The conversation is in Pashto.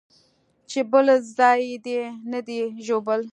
چې بل ځاى دې نه دى ژوبل.